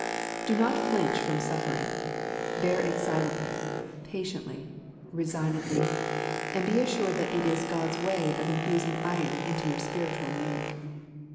Do not flinch from suffering. Bear it silently, patiently, resignedly ; and be assured that it is God's way of infusing iron into your spiritual make.